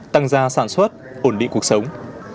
tăng gia sản xuất ổn định cuộc sống